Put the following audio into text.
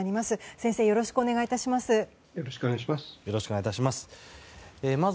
先生、よろしくお願い致します。